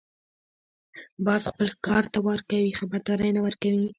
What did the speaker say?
باز خپل ښکار ته وار کوي، خبرداری نه ورکوي